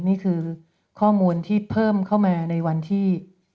นี่คือข้อมูลที่เพิ่มเข้ามาในวันที่